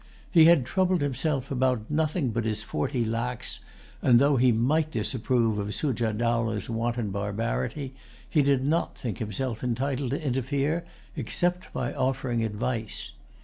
He had troubled himself about nothing but his forty lacs; and, though he might disapprove of Sujah Dowlah's wanton barbarity, he did not think himself entitled to interfere, except by offering advice.